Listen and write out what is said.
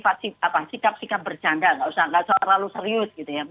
sikap sikap bercanda nggak usah terlalu serius gitu ya